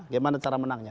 gimana cara menangnya